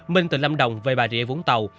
minh từ lâm đồng về bà rịa vũng tàu